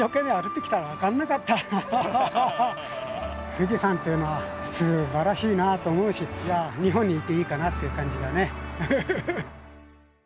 富士山というのはすばらしいなと思うし日本にいていいかなという感じだね。